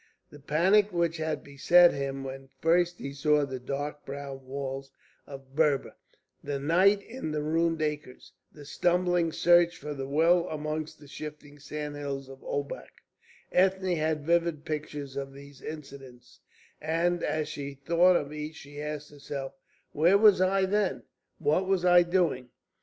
The panic which had beset him when first he saw the dark brown walls of Berber, the night in the ruined acres, the stumbling search for the well amongst the shifting sandhills of Obak, Ethne had vivid pictures of these incidents, and as she thought of each she asked herself: "Where was I then? What was I doing?"